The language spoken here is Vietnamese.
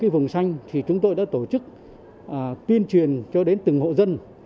vùng xanh thì chúng tôi đã tổ chức tuyên truyền cho đến từng hộ dân